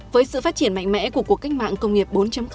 với sự phát triển mạnh mẽ của cuộc cách mạng công nghiệp bốn